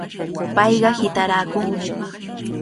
Payqa hitaraakunmi.